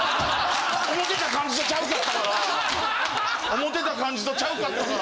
思てた感じとちゃうかったから！